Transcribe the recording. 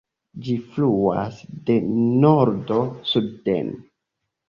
Ĝi fluas de nordo suden.